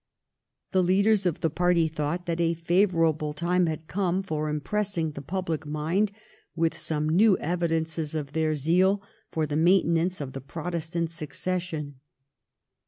The leaders of the party thought that a favour able time had come for impressing the public mind with some new evidences of their zeal for the maintenance of the Protestant succession.